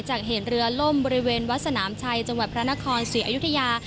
จากเหตุเรือล่มบริเวณวัดสนามชัยจังหวัดพระนครศรีอยุธยา